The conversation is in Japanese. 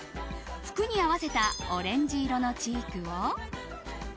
服に合わせたオレンジ色のチークを。